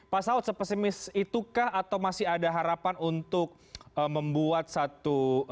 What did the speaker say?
pak saud sepesimis itukah atau masih ada harapan untuk membuat satu